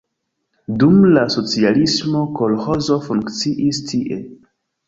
Dum la socialismo kolĥozo funkciis tie.